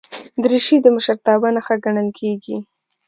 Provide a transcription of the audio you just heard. دریشي د مشرتابه نښه ګڼل کېږي.